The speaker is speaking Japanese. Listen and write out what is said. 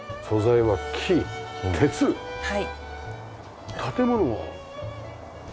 はい。